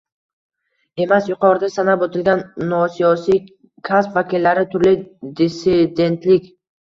emas, yuqorida sanab o‘tilgan “nosiyosiy” kasb vakillari turli “dissidentlik